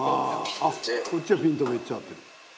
「こっちはピントめっちゃ合ってる」